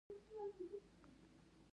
ولسوالۍ او خاورې یې ونیولې.